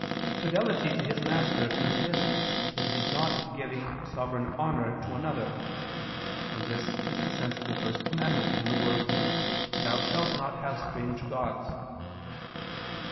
Fidelity to his master consists in his not giving sovereign honor to another: and this is the sense of the first commandment, in the words "Thou shalt not have strange gods."